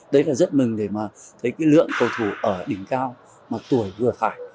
đấy là rất mừng để mà thấy cái lượng cầu thủ ở đỉnh cao mà tuổi vừa phải